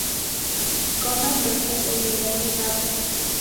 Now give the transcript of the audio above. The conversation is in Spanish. Come peces e invertebrados.